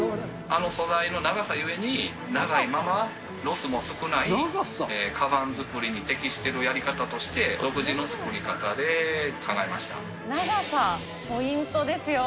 あの素材の長さゆえに、長いまま、ロスも少ないかばん作りに適しているやり方として、独自の作り方長さ、ポイントですよ。